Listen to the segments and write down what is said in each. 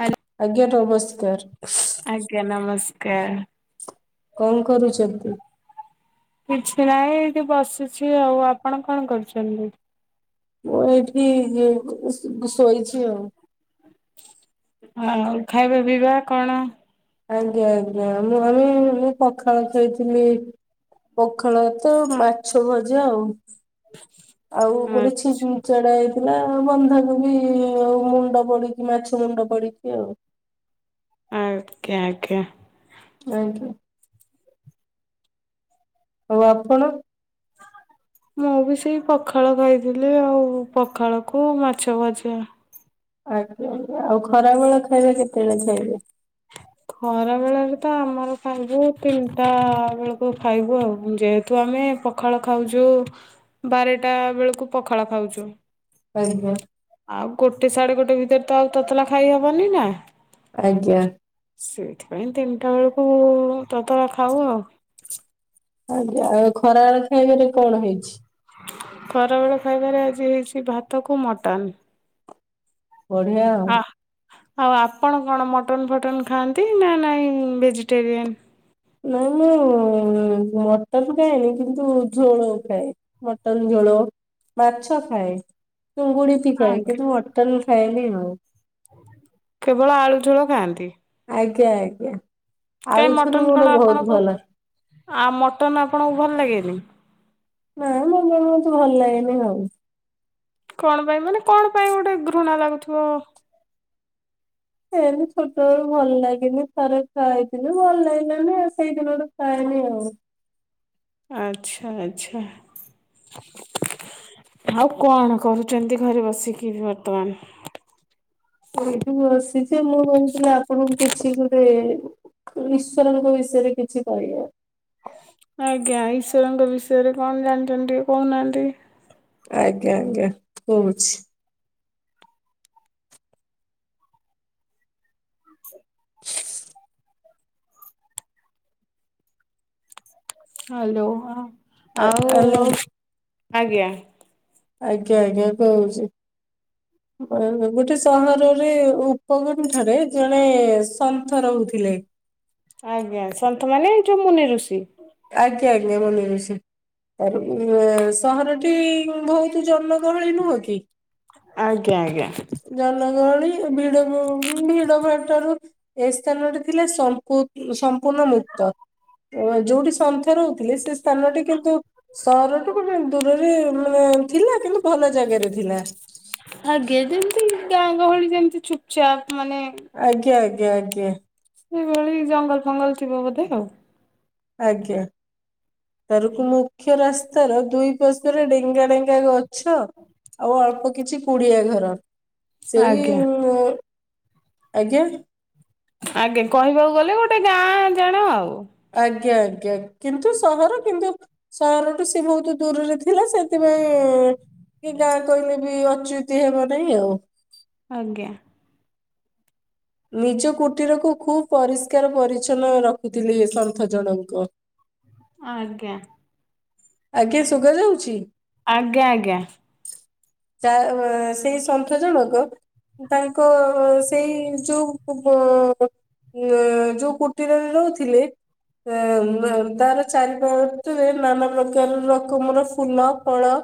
Hello ଆଜ୍ଞା ନମସ୍କାର। ଆଜ୍ଞା ନମସ୍କାର। କଣ କରୁଛନ୍ତି? କିଛି ନହିଁ ଏଠି ବସୁଛି ଆଉ ଆପଣ କଣ କରୁଛନ୍ତି? ମୁଁ ଏଠି ଇଏ ଶୋଇଛି ଆଉ। ଆଉ ଖାଇବା ପିଇବା କଣ? ଆଜ୍ଞା ଆଜ୍ଞା ନାଇଁ ମୁଁ ପଖାଳ ଖଇଥିଲି। ପଖାଳ ଭାତ ମାଛ ଭଜା ଆଉ। ଆଉ ଆ ଗୋଟେ ଛିଚଡା ଥିଲା ବନ୍ଧା କୋବି ମୁଣ୍ଡ ପଡିକି ମାଛ ମୁଣ୍ଡ ପଡିକି ଆଉ। ଆଜ୍ଞା ଆଜ୍ଞା। ନାଇ ତ। ଆଉ ଆପଣ? ମୁଁ ବି ସେଇ ପଖାଳ ଖାଇଥିଲି ଆଉ ପଖାଳକୁ ମାଛ ଭଜିବା। ଆଜ୍ଞା ଆଉ ଖରା ବେଳ ଖାଇବା କେତେବେଳେ ଖାଇବେ? ଖରା ବେଳାରେ ତ ଆମର ଖାଇବୁ ତିନିଟା ଆ ବେଳକୁ ଖାଇବୁ ଆଉ ଯେହେତୁ ଆମେ ଆମେ ପଖାଳ ଖାଉଛୁ ବାରେଟା ବେଳକୁ ପଖାଳ ଖାଉଛୁ। ଆଜ୍ଞା। ଆଉ ଗୋଟେ ସାଢ଼େ ଗୋଟେ ଭିତରେ ତ ଆଉ ତତଲା ଖାଇ ହବନି ନା। ଆଜ୍ଞା ସେଇଥିପାଇଁ ତିନିଟା ବେଳକୁ କୁ ତତଲା ଖାଉ ଆଉ। ଆଜ୍ଞା ଆଉ ଖରାବେଳ ଖାଇବାରେ କଣ ହେଇଛି? ଖରାବେଳ ଖାଇବାରେ ଆଜି ହେଇଛି ଭାତ କୁ ମଟନ୍। ବଢିଆ ଆଉ। ଆ ଆଉ ଆପଣ କଣ ମଟନ ଫଟନ ଖାଆନ୍ତି ନା ନାଇଁ ଭେଜିଟେରିଆନ। ନାଇଁ ମୁଁ ମଟର ଖାଏନି କିନ୍ତୁ ଝୋଳ ଖାଏ। ମଟନ୍ ଝୋଳ ମାଛ ଖାଏ ଚୁଙ୍ଗୁଡିଟି ଖାଏ ଖାଆନ୍ତି କିନ୍ତୁ ମଟନ୍ ଖାଏନି ହଉ। କେବଳ ଆଳୁ ଝୋଳ ଖାଆନ୍ତି। ଆଜ୍ଞା ଆଜ୍ଞା। ଆଳୁ କାଇଁ ଝୋଳ ମଟନ ମୋର କଣ ବହୁତ ଆପଣଙ୍କୁ ଭଲ ଆ ମଟନ ଆପଣଙ୍କୁ ଭଲ ଲାଗେନି? ନା ମୋତେ ଏନ୍ତି ଭଲ ଲାଗେନି ଆଉ। କଣ ପାଇଁ ମାନେ କଣ ପାଇଁ ଗୋଟେ ଘୃଣା ଲାଗୁଥିବ। ସେନ୍ତି ଛୋଟବେଳୁ ଭଲ ଲାଗିନି ଥରେ ଖାଇଥିଲି ଭଲ ଲାଗିଲାନି ଆଉ ସେଇଦିନଠୁ ଖାଇ [unintelligible] ଆଚ୍ଛା ଆଚ୍ଛା। ଆଉ କଣ କରୁଛନ୍ତି ଘରେ ବସିକି ବି ବର୍ତ୍ତମାନ? ଏଇଠୁ ବସିଛି ମୁଁ କହୁଥିଲି ଆପଣଙ୍କୁ କିଛି ଗୋଟେ ଈଶ୍ୱରଙ୍କ ବିଷୟରେ କିଛି କହିବ। ଆଜ୍ଞା ଈଶ୍୍ୱରଙ୍କ ବିଷୟରେ କଣ ଜାଣିଛନ୍ତି କହୁନାହାନ୍ତି। ଆଜ୍ଞା ଆଜ୍ଞା କହୁଛି। [inaudible] ହ୍ୟାଲୋ ଆ ଆଉ ଆଲୋ ଆଜ୍ଞା। ଆଜ୍ଞା ଆଜ୍ଞା କହୁଛି। ଗୋଟେ ସହରରେ ଉପକୂଳ ଠାରେ ଜଣେ ସନ୍ଥ ରହୁଛି। ଥିଲେ। ଆଜ୍ଞା ସନ୍ଥ ମାନ ଏ ଯୋଉ ମୁନି ଋଷି। ତ ସହରଟି ବହୁତ ଜନ ଆଜ୍ଞା ଆଜ୍ଞା। ଜନ ଳି ଭି ଭିଡ ଭଟରୁ ଏ ସ୍ଥାନ ଥିଲା ସ ପୁନଃମୁତ ଯୋଉଠି ସନ୍ଥ ରହୁଥିଲେ ସେ ସ୍ଥାନଟି କିନ୍ତୁ ସହରଠୁ ମାନେ ଦୂରରେ ମାନେ ଥିଲା କିନ୍ତୁ ଭଲ ଜାଗାରେ ଥିଲା। ଆଜ୍ଞା ଯେମିତି ଗାଁ ଗହଳି ଯେମିତି ଚପଚାପ ଆଜ୍ଞା ଆଜ୍ଞା ଆଜ୍ଞା। ସେଇଭଳି ଜଙ୍ଗଲ ଫଙ୍ଗଲ ଥିବ ବୋଧେ ଆଉ। ଆଜ୍ଞା ତରକୁ ମୁଖ୍ୟ ରାସ୍ତା ତାର ଦୁଇ ପଶପରେ ଡେଙ୍ଗା ଡେଙ୍ଗା ଗଛ ଛ ଆଉ ଅଳ୍ପ କିଛି କୁଡିଆ ଘର ସେଇ ଆଜ୍ଞା ଆଜ୍ଞା। ଆଜ୍ଞା କହିବାକୁ ଗଲେ ଗୋଟେ ଗାଁ ଜାଣ ଆଉ। ଆଜ୍ଞା ଆଜ୍ଞା କିନ୍ତୁ ସହର କିନ୍ତୁ ସହରଠୁ ସେଏ ବହୁତ ଦୂରରେ ଥିଲା ସେ ସେଥିପାଇଁ କି ଗା କହିଲେ ବି ଅଚୁତି ହେବ ନାହିଁ ଆଉ। ଆଜ୍ଞା। ନିଜ କୁଟୀରକୁ ଖୁବ ପରିଷ୍କାର ପରିଚ୍ଛନ୍ନ ରଖୁଥିଲି ସନ୍ଥ ଜଣଙ୍କ। ଆଜ୍ଞା। ଆଜ୍ଞା ଶୁଗା ଯାଉଛି। ଆଜ୍ଞା ଆଜ୍ଞା। ଯ ସେଇ ସନ୍ଥ ଜଣକ ତାଙ୍କ ସେଇ ଯୋଉ ଉ ଯୋଉ କୁଟିରରେ ରହୁଥିଲେ ହ ତାଲେ ଚାରି ପଟେ ନମ ରକମର ଫୁଲ ଫଳ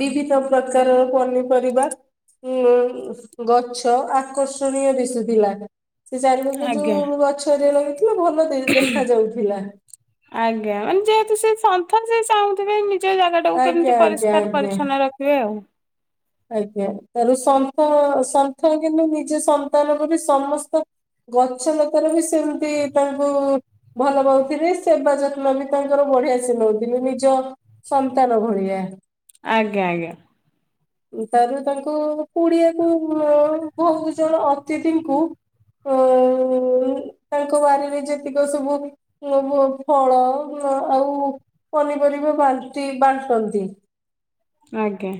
ବିଭିନ୍ନ ପ୍ରକାରର ପନିପରିବା ଉ ଗଛ ଗଛ ଆକର୍ଷଣୀୟ ଦିଶୁଥିଲା ସେ ଚାରିଲ କି ଆଜ୍ଞା। ଯୋଉ ଗଛରେଳ ଆଜ୍ଞା ମାନେ ଯେହେତୁ ସେ ସନ୍ ତଥା ସେ ଚାହୁଁଥିବେ ନିଜ ଜାଗା ଟାକୁ ଆଜ୍ଞା କେମିତି ଆଜ୍ଞା ପରିଷ୍କାର ଆଜ୍ଞା। ପରିଚ୍ଛନ୍ନ ରଖିବେ ଆଉ। ଆଜ୍ଞା ତାର ସନ୍ଥ ସନ୍ଥ କିନ୍ତୁ ନିଜ ସନ୍ତାନ ଉପରେ ସମସ୍ତ ଗଛ ଲତାର ବି ସେମିତି ତାଙ୍କୁ ଭଲ ପାଉଥିଲେ ସେବା ଯ ଲବି ତାଙ୍କର ବଢିଆ ସେ ନଉଥିଲି ନିଜ ସନ୍ତାନ ଭଳିଆ ଆଜ୍ଞା ଆଜ୍ଞା ତାରୁ ତାଙ୍କୁ କୁଡିଆକୁ ବହୁତ ଜଣ ଅତିଥିଙ୍କୁ [unintelligible] ତାଙ୍କ ବାରିରେ ଯେତିକ ସବୁ ଇଏ ଫଳ ଆଉ ପନିପରି ବା ବାଣ୍ଟି ବାଣ୍ଟନ୍ତି। ଆଜ୍ଞା।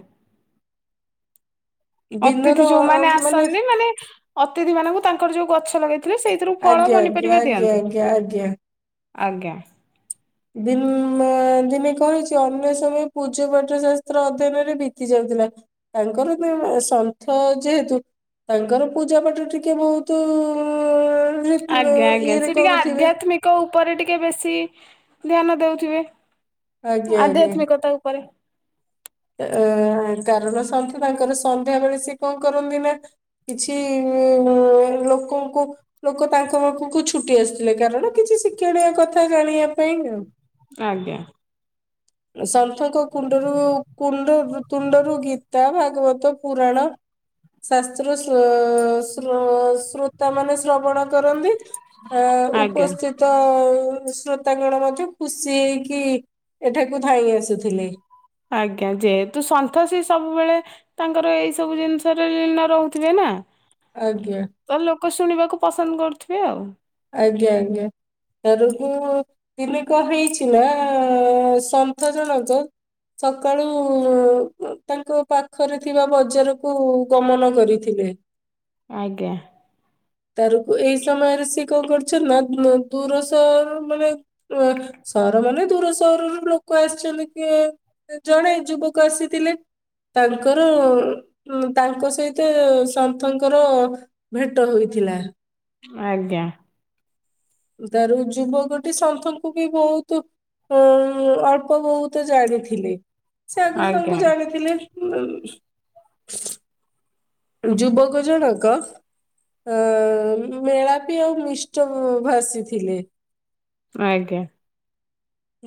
ଅତିଥି ଦିନର ଯୋଉମାନେ ଆସନ୍ତି ମାନେ ଅତିଥି ମାନଙ୍କୁ ତାଙ୍କର ଯୋଉ ଗଛ ଲଗେଇଥିଲେ ସେଇଥିରୁ ଫଳ ଆଜ୍ଞା ଆଜ୍ଞା ପନିପରିବା ଆଜ୍ଞା ଦିଅନ୍ତି। ଆଜ୍ଞା ଆଜ୍ଞା। ଆଜ୍ଞା। ଦିନ ଦିନେ କହିଛି ଅନ୍ୟ ସମୟ ପୂଜ ପାଠ ଶାସ୍ତ୍ର ଅଧ୍ୟୟନରେ ବିତି ଯାଉ ଥିଲା ତାଙ୍କର ବି ସନ୍ଥ ଯେହେତୁ ତାଙ୍କର ପୂଜାପାଠ ଟିକେ ବହୁତ ରିତ- ଆଜ୍ଞା ଆଜ୍ଞା ଇଏରେ ସେ ଟିକେ କରୁଥିବେ। ଆଧ୍ୟାତ୍ମିକ ଉପରେ ଟିକେ ବେଶି ଧ୍ୟାନ ଦଉଥିବେ ଆଜ୍ଞା ଆଜ୍ଞା। ଆଧ୍ୟାତ୍ମିକତା ଉପରେ। ଅ କାରଣ ସନ୍ଥି ତାଙ୍କର ସନ୍ଧ୍ୟା ବେଳେ ସିଏ କଣ କରନ୍ତି ନା କିଛି ଉ ଲୋକଙ୍କୁ ଲୋକ ତାଙ୍କ ପାଖକୁ ଛୁଟି ଆସୁଥିଲେ କାରଣ କିଛି ଶିକ୍ଷଣୀୟ କଥା ଜାଣିବା ପାଇଁ ଆଉ। ଆଜ୍ଞା। ସନ୍ଥଙ୍କ କୁଣ୍ଡରୁ କୁଣ୍ଡ ତୁଣ୍ଡରୁ ଗୀତା ବା ଭାଗବତ ପୁରାଣ ଶାସ୍ତ୍ରୋ ସ୍ରୋ ସ୍ରୋ ତା ମାନେ ଶ୍ରବଣ କରନ୍ତି ଆ ଆଜ୍ଞା। ଉପସ୍ଥିତ ଶ୍ରୋତା ଗଣ ମଧ୍ୟ ଖୁସି ହେଇକି ଏଠାକୁ ଧାଇଁ ଆସୁଥିଲେ। ଆଜ୍ଞା ଯେହେତୁ ସନ୍ଥ ସେ ସବୁବେଳେ ତାଙ୍କର ଏଇ ସବୁ ଜିନିଷରେ ଲୀନ ରହୁଥିବେ ନା। ଆଜ୍ଞା ତ ଲୋକ ଶୁଣିବାକୁ ପସନ୍ଦ କରୁଥିବେ ଆଉ। ଆଜ୍ଞା ଆଜ୍ଞା। ତରକୁ ଦିନେ କଣ ହେଇଛି ନା ସନ୍ଥ ଜଣଙ୍କ ସକାଳୁ ତାଙ୍କ ପାଖରେ ଥିବା ବଜାରକୁ ଗମନ କରିଥିଲି। ହୁଁ। ଆଜ୍ଞା। ବାହାରକୁ ଏଇ ସମୟରେ ସେ କଣ କରୁଛ ନା ଦୂର ସହର ମାନେ ସହର ମାନେ ଦୂର ସହରର ଲୋକ କ ଆସିଛନ୍ତି କି ଜଣେ ଯୁବକ ଆସିଥିଲେ। ତାଙ୍କର ତାଙ୍କ ସହିତ ସନ୍ଥଙ୍କର ଭେଟ ହୋଇଥିଲା। ଥିଲା? ଆଜ୍ଞା। ତାର ଯୁବକଟି ସନ୍ଥଙ୍କୁ ବି ବହୁତ ଉ ଅଳ୍ପ ବହୁତେ ଜାଣିଥିଲେ। ସେ ଆଗରୁ ତାଙ୍କୁ ଆଜ୍ଞା ଜାଣିଥିଲେ। ଯୁବକଜଣକ ଅ ମେଳାପି ଆଉ ମିଷ୍ଟ ଭାସିଥିଲେ। ଆଜ୍ଞା।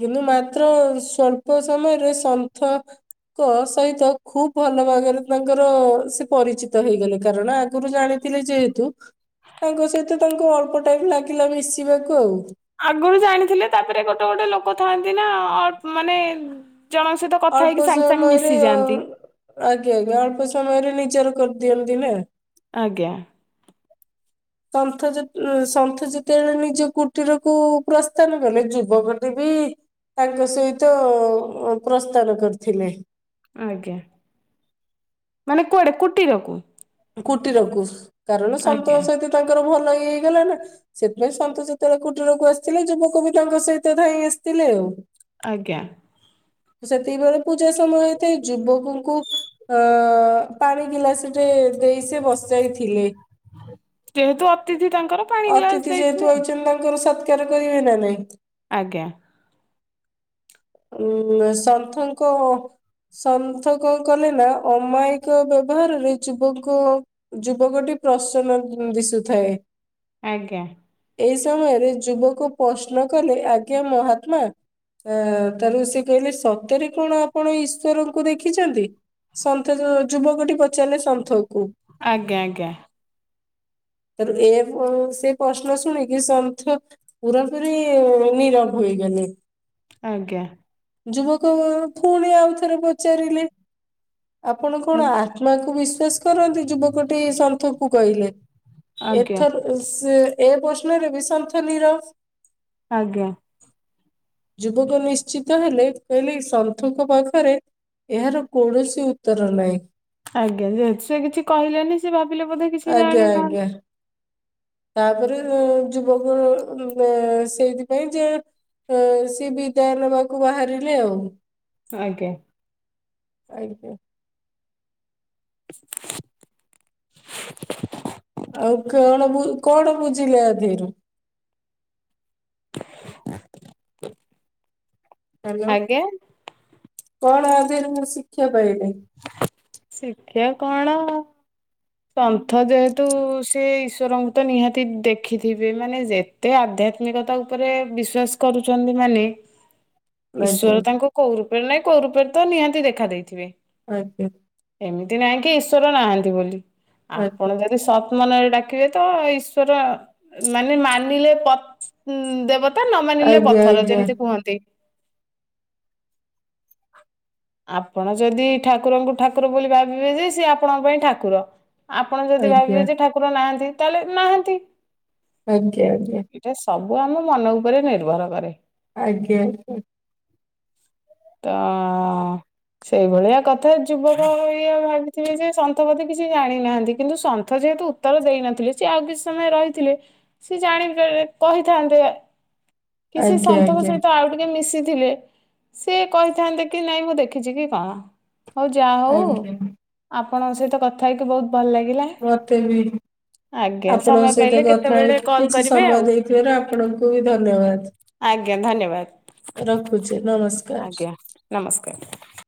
କିନ୍ତୁ ମାତ୍ର ସ୍ଵଳ୍ପ ସମୟରେ ସନ୍ଥ ସହିତ ଖୁବ ଭଲ ଭାବରେ ତାଙ୍କର ସେ ପରିଚିତ ହେଇଗଲେ କାରଣ ଆଗରୁ ଜାଣି ଥିଲେ ଯେହେତୁ ତାଙ୍କ ସହିତ ତାଙ୍କୁ ଅଳ୍ପ ଟାଇମ୍ ଲାଗିଲା ମିଶିବାକୁ ଆଉ। ଆଗରୁ ଜାଣିଥିଲେ ତାପରେ ଗୋଟେ ଗୋଟେ ଲୋକ ଥାନ୍ତି ନା ଅ ମାନେ ଜଣଙ୍କ ସହିତ କଥା ହେଇକି ଅଳ୍ପ ସାଙ୍ଗେ ସାଙ୍ଗେ ସମୟରେ ମିଶିଯାଆନ୍ତି ଆଜ୍ଞା ଆଜ୍ଞା ଅଳ୍ପ ସମୟରେ ନିଜର କରିଦିଅନ୍ତି ନା। ଆଜ୍ଞା। ସନ୍ଥ ଯେତେ ସନ୍ଥ ଯେତେବେଳେ ନିଜ କୁଟୀରକୁୁ ପ୍ରସ୍ଥାନ କଲେ ଯୁବକଟି ବି ତାଙ୍କ ସହିତ ପ୍ରସ୍ଥାନ କରିଥିଲେ। ଆଜ୍ଞା ମାନେ କୁଆଡେ କୁଟରକୁ? କୁଟିରକୁୁ କାରଣ ସନ୍ତଙ୍କ ସହିତ ତାଙ୍କର ଭଲ ଇଏ ହେଇଗଲା ନା ସେଥିପାଇଁ ସନ୍ଥ ଯେତେବେଳେ କୁଟୀରକୁ ଆସିଥିଲେ ଯୁବକ ବି ତାଙ୍କ ସହିତ ଧାଇଁ ଆସିଥିଲେ ଆଉ। ଆଜ୍ଞା। ସେତିକିବେଳେ ପୂଜା ସମୟ ହେଇଥାଏ ଯୁବକଙ୍କୁ ଅଁ ପାଣି ଗିଲାସଟେ ଦେଇ ସେ ବସାଇଥିଲେ। ଯେହେତୁ ଅତିଥି ତାଙ୍କର ପାଣି ଗ୍ଲାସ ଅତିଥି ଦେଇଥିବେ ଯେହେତୁ ଆଇଚନ୍ତି ତାଙ୍କର ସତ୍ କାର କରିବେ ନା ନାଇଁ। ଆଜ୍ଞା। ଉଁ ସନ୍ଥଙ୍କ ସନ୍ଥ କଣ କଲେ ନା ଅମାୟିକ ବ୍ୟବହାରରେ ଯୁବ କୁ ଯୁବକଟି ପ୍ରସନ୍ନ ଦିଶୁଥାଏ। ଆଜ୍ଞା। ଏଇ ସମୟରେ ଯୁବକ ପ୍ରଶ୍ନ କଲେ ଆଜ୍ଞା ମହାତ୍ମା ଆଁ ତା ଋଷି କହିଲେ ସତରେ କଣ ଆପଣ ଈଶ୍ୱରଙ୍କୁ ଦେଖିଛନ୍ତି? ସନ୍ଥ ଯୁ-ଯୁବକଟି ପଚାରିଲେ ସନ୍ଥ ଆଜ୍ଞା ଆଜ୍ଞା। ତାରେ ଏ ପ ସେ ପ୍ରଶ୍ନ ଶୁଣିକି ସନ୍ଥ ପୁରାପୁରି ନିରବ ହୋଇ ଗଲେ। ଆଜ୍ଞା। ଯୁବକ ପୁଣି ଆଉ ଥରେ ପଚାରିଲେ। ଆପଣ କଣ ଆତ୍ମାକୁ ବିଶ୍ଵାସ କରନ୍ତି? ଯୁବକଟି ସନ୍ଥକୁ କହିଲେ। ଆଜ୍ଞା ଏଥର ସେ ଏ ପ୍ରଶ୍ନରେ ବି ସନ୍ଥ ନିରବ। ଆଜ୍ଞା। ଯୁବକ ନିଶ୍ଚିତ ହେଲେ କହିଲେ ସନ୍ଥୁଙ୍କ ପାଖରେ ଏହାର କୌଣସି ଉତ୍ତର ନାହିଁ। ଆଜ୍ଞା ଯେହେତୁ ସେ କିଛି କହିଲେନି ସେ ଭାବିଲେ ବୋଧେ କିଛି ଆଜ୍ଞା ଜାଣିନାହା ଆଜ୍ଞା ତାପରେ ଯୁବକ ଆଁ ସେଇଥିପାଇଁ ଯେ ଅଁ ସେ ବିଦାୟ ନେବାକୁ ବାହାରିଲେ ଆଉ। ଆଜ୍ଞା। ଆଜ୍ଞା। [unintelligible] ଆଉ କଣ ବୁ କଣ ବୁଝିଲେ ଆଧେରୁ? ହ ହାଲୋ କଣ ଆଧେରୁ ବୁଝି ପାଇଲେ? ଶିକ୍ଷା କଣ? ସନ୍ଥ ଯେହେତୁ ସେ ଈଶ୍ୱରଙ୍କୁ ତ ନିହାତି ଦେଖିଥିବେ ମାନେ ଯେତେ ଆଧ୍ୟା ତ୍ମିକତା ଉପରେ ବିଶ୍ଵାସ କରୁଛନ୍ତି ମାନେ ଆଜ୍ଞା ଈଶ୍ବର ତାଙ୍କୁ କୋଉ ରୂପରେ ନାଇଁ କୋଉ ରୂପରେ ତ ନିହାତି ଦେଖା ଦେଇଥିବେ। ଆଜ୍ଞା। ଏମିତି ନାଇଁ କି ଈଶ୍ୱର ନାହାନ୍ତି ବୋଲି। ଆଜ୍ଞା ଆପଣ ଯଦି ସ ମନରେ ଡାକିବେ ତ ଈଶ୍ୱର ମାନେ ମାନିଲେ ପ ଦେବ ତା ନ ମାନିଲେ ଆଜ୍ଞା ପଥର ଯେମିତି କୁହନ୍ତି। ଆପଣ ଯଦି ଠାକୁରଙ୍କୁ ଠାକୁର ବୋଲି ଭାବିବେ ଯେ ସେ ଆପଣଙ୍କ ପାଇଁ ଠାକୁର। ଆପଣ ଯଦି ଆଜ୍ଞା ଭାବିବେ ଯେ ଠାକୁର ନାହାନ୍ତି ତାହେଲେ ନାହାନ୍ତି। ଆଜ୍ଞା ଆଜ୍ଞା। ଏଇଟା ସବୁ ଆମ ମନ ଉପରେ ନିର୍ଭର କରେ। ଆଜ୍ଞା ଆଜ୍ଞା। ତ ସେଇଭଳିଆ କଥା ଯୁବକ ଇଏ ଭାବିଥିବେ ଯେ ସନ୍ଥପତି କିଛି ଜାଣି ହା କିନ୍ତୁ ସନ୍ଥ ଯେହେତୁ ଉତ୍ତର ଦେଇ ନଥିଲେ ସିଏ ଆଉ କିଛି ସମୟ ରହିଥିଲେ ସିଏ ଜାଣି କହି ଥାେ ଆନ୍ତ। [unintelligible] କିଛି ଆଜ୍ଞା ଆଜ୍ଞା ସନ୍ଥଙ୍କ ଆଜ୍ଞା ସହିତ ଆଉ ଟିକେ ମିଶି ଥିଲେ ସିଏ କହିଥାନ୍ତେ କି ନାଇଁ ମୁଁ ଦେଖିଛି କି କଣ। ହଉ ଯାହା ହଉ ଆଜ୍ଞା ଆପଣଙ୍କ ସହିତ କଥା ହେଇକି ବହୁତ ଭଲ ଲାଗିଲା ମୋତେ ବି। ଆଜ୍ଞା ସମୟ ଆପଣଙ୍କ ସହିତ ପାଇଲେ କଥା କେତେବେଳେ ହେଇକି କଲ୍ କିଛି କରିବେ ଆଉ ସମୟ ଦେଇଥିବାରୁ ଆପଣଙ୍କୁ ବି ଧନ୍ୟବାଦ। ଆଜ୍ଞା ଧନ୍ୟବାଦ ରଖୁଛି ନମସ୍କାର। ଆଜ୍ଞା ନମସ୍କାର।